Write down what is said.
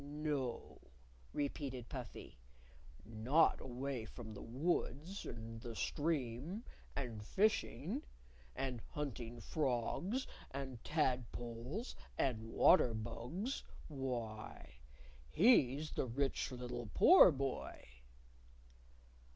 "No," repeated Puffy. "Not away from the woods and the stream and fishing, and hunting frogs and tadpoles and water bugs. Why, he's the Rich Little Poor Boy!"